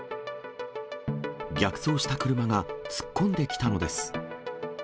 逆走した車が突っ込んできたのです。